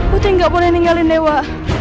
putri gak boleh ninggalin dewa